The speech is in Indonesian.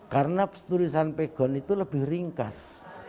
karena tulisan pegon itu lebih ringkas